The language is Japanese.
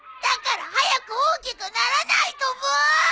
だから早く大きくならないとブー！